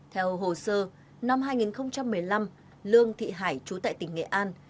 theo hồ sơ năm hai nghìn một mươi năm lương thị hải chú tại tỉnh nghệ an